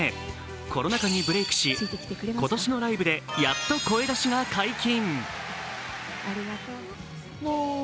コロナ禍にブレイクし、今年のライブでやっと声出しが解禁。